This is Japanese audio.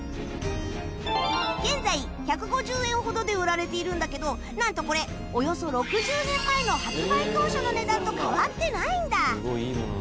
現在１５０円ほどで売られているんだけどなんとこれおよそ６０年前の発売当初の値段と変わってないんだ